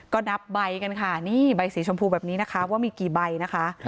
ก็นับใบกันค่ะนี่ใบสีชมพูแบบนี้นะคะว่ามีกี่ใบนะคะ